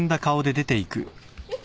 えっ？